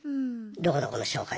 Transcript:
どこどこの紹介